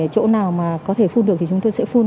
chỗ nào mà có thể phun được thì chúng tôi sẽ phun